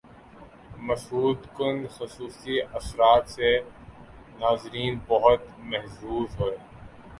مسحور کن خصوصی اثرات سے ناظرین بہت محظوظ ہوئے